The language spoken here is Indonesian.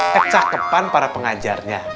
kecakapan para pengajarnya